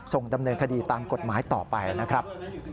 ส่งดำเนินคดีตามกฎหมายต่อไปนะครับ